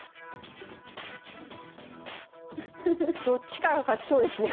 どっちかが勝ちそうですね